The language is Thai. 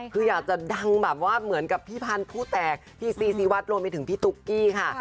คืออยากจะดังแบบว่าเหมือนกับพี่พันธุ์ผู้แตกพี่ซีซีวัดรวมไปถึงพี่ตุ๊กกี้ค่ะ